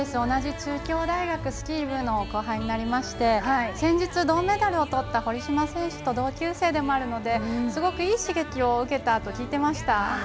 同じ中京大学スキー部の後輩で先日、銅メダルをとった堀島選手と同級生でもあるのですごくいい刺激を受けたと聞いていました。